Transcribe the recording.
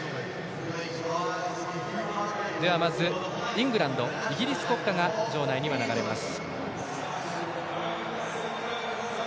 まず、イングランドイギリス国歌が場内には流れます。